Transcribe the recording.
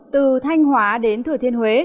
từ thanh hóa đến thừa thiên huế